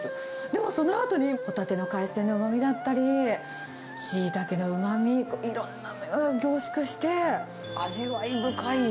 でもそのあとに、ホタテの海鮮のうまみだったり、シイタケのうまみ、いろんなうまみが凝縮して味わい深い。